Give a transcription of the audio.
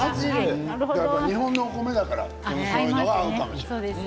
日本の米とかそういうのが合うかもしれない。